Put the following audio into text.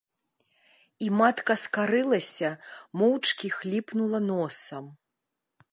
І матка скарылася, моўчкі хліпнула носам.